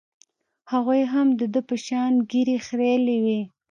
هغوى هم د ده په شان ږيرې خرييلې وې.